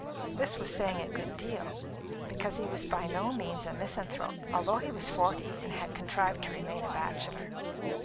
This was saying a good deal, because he was by no means a misanthrope, although he was forty and had contrived to remain a bachelor.